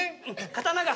刀が。